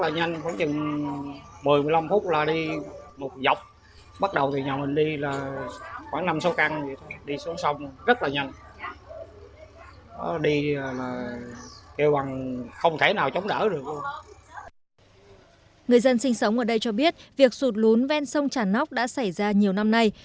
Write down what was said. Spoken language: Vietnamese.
người dân sinh sống ở đây cho biết việc sụt lún ven sông trà nóc đã xảy ra nhiều năm nay